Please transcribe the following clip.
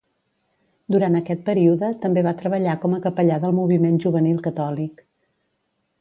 Durant aquest període també va treballar com a capellà del moviment juvenil catòlic.